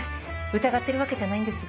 疑ってるわけじゃないんですが。